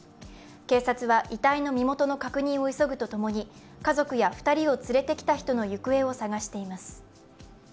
警察は遺体の身元の確認を急ぐとともに家族や２人を連れてきた人の行方を捜しています。